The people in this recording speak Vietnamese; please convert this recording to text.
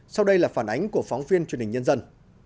sau đây là phản ánh của phóng viên truyền hình nhân dân